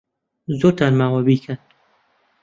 زۆرتان ماوە بیکەن.